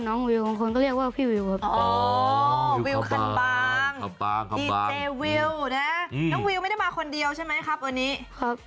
น้องวิลไม่ได้มาคนเดียวใช่มั้ยครับ